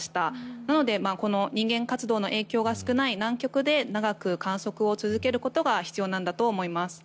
なので人間活動の影響が少ない南極で長く観測を続けることが必要なんだと思います。